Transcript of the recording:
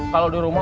kalau di rumah